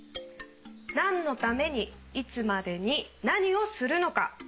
なんのためにいつまでに何をするのか。